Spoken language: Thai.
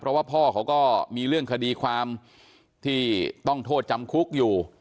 เพราะว่าพ่อเขาก็มีเรื่องคดีความที่ต้องโทษจำคุกอยู่